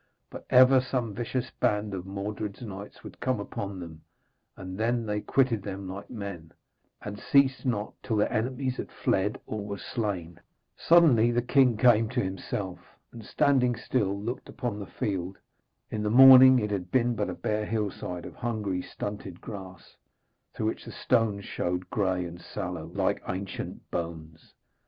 But ever some vicious band of Mordred's knights would come upon them, and then they quitted them like men, and ceased not till their enemies had fled or were slain. Suddenly the king came to himself, and, standing still, looked upon the field. In the morning it had been but a bare hillside of hungry, stunted grass, through which the stones showed grey and sallow, like ancient bones.